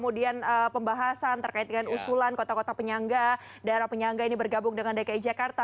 kemudian pembahasan terkait dengan usulan kota kota penyangga daerah penyangga ini bergabung dengan dki jakarta